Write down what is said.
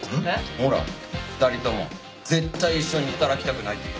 ほら２人とも絶対一緒に働きたくないって。